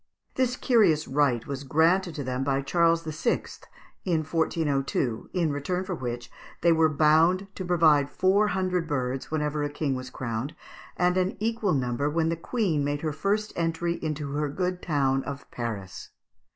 This curious right was granted to them by Charles VI. in 1402, in return for which they were bound to "provide four hundred birds" whenever a king was crowned, "and an equal number when the queen made her first entry into her good town of Paris."